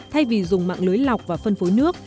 thay vì dùng mạng lưới lọc và phân phối nước